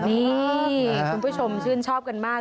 นี่คุณผู้ชมชื่นชอบกันมาก